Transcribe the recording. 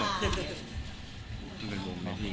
มันเป็นลูกไหมพี่